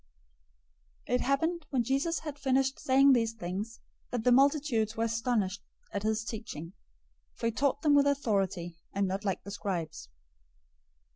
007:028 It happened, when Jesus had finished saying these things, that the multitudes were astonished at his teaching, 007:029 for he taught them with authority, and not like the scribes.